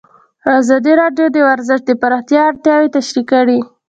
ازادي راډیو د ورزش د پراختیا اړتیاوې تشریح کړي.